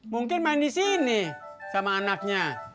mungkin main di sini sama anaknya